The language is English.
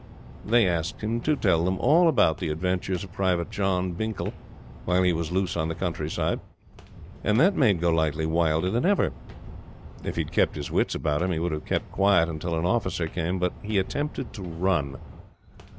They asked him to tell them all about the adventures of Private John Binkle while he was loose on the countryside; and that made Golightly wilder than ever. If he had kept his wits about him he would have kept quiet until an officer came; but he attempted to run.